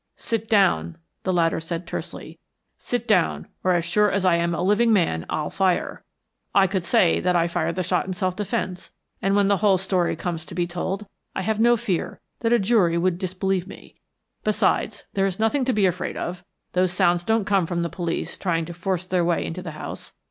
"Sit down," the latter said tersely. "Sit down, or, as sure as I am a living man, I'll fire. I could say that I fired the shot in self defence, and when the whole story comes to be told I have no fear that a jury would disbelieve me. Besides, there is nothing to be afraid of. Those sounds don't come from the police trying to force their way into the house.